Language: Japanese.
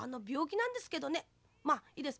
まあいいです。